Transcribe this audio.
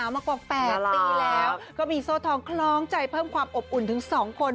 มากว่า๘ปีแล้วก็มีโซ่ทองคล้องใจเพิ่มความอบอุ่นถึง๒คน